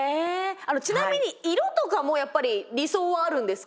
あのちなみに色とかもやっぱり理想はあるんですか？